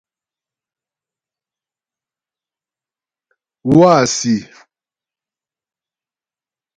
Wâsi᷅.